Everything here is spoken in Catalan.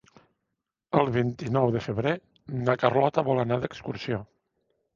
El vint-i-nou de febrer na Carlota vol anar d'excursió.